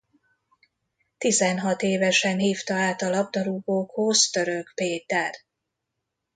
Tizenhat évesen hívta át a labdarúgókhoz Török Péter.